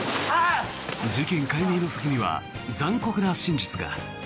事件解明の先には残酷な真実が。